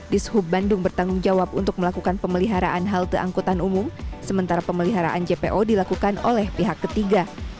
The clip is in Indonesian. di suhub bandung bertanggung jawab untuk melakukan pemeliharaan halte angkutan umum sementara pemeliharaan jpo dilakukan oleh pihak ketiga